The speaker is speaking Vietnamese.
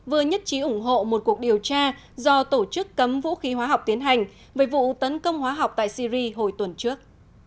vừa nhất trí ủng hộ một cuộc điều tra do tổ chức cấm vũ khí hóa học tiến hành về vụ tấn công hóa học tại syri hồi tuần trước